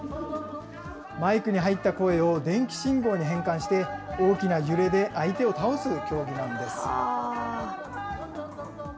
マイクに入った声を電気信号に変換して、大きな揺れで相手を倒す競技なんです。